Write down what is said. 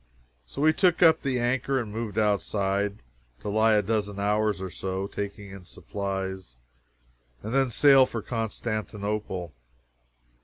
So we took up the anchor and moved outside, to lie a dozen hours or so, taking in supplies, and then sail for Constantinople.